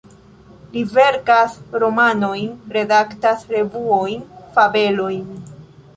Li verkas romanojn, redaktas revuojn, fabelojn.